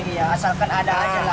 iya asalkan ada aja lah